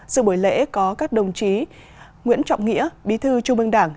sự buổi lễ có các đồng chí nguyễn trọng nghĩa bí thư trung ương đảng